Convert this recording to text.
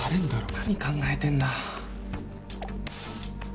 何考えてんだ。